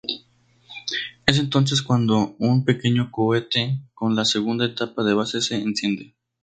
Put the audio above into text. Es entonces cuando un pequeño cohete, con la segunda etapa de base, se enciende.